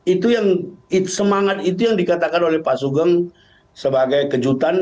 itu yang semangat itu yang dikatakan oleh pak sugeng sebagai kejutan